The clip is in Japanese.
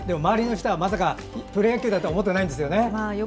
まさかプロ野球とは思ってないんですよね。